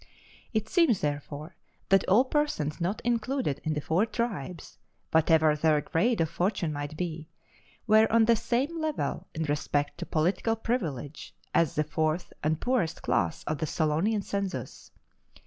It seems, therefore, that all persons not included in the four tribes, whatever their grade of fortune might be, were on the same level in respect to political privilege as the fourth and poorest class of the Solonian census.